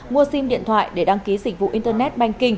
mua sim điện thoại để đăng ký dịch vụ internet banking